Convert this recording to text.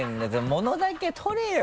物だけ撮れよ！